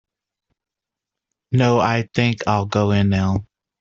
No, I think I'll go in now.